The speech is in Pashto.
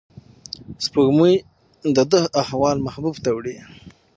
سپوږمۍ د ده احوال محبوب ته وړي.